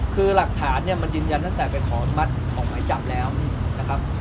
คือหลักฐานเนี่ยมันยืนยันตั้งแต่ไปขออนุมัติออกหมายจับแล้วนะครับ